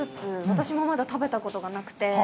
私もまだ食べたことがなくて。